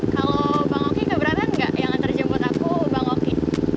kalo bang oki keberatan gak yang antar jemput aku bang oki